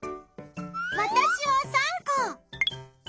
わたしは３こ。